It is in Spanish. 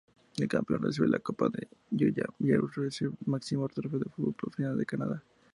El campeón recibe la Copa Voyageurs, el máximo trofeo de fútbol profesional en Canadá.